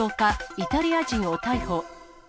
イタリア人を逮捕。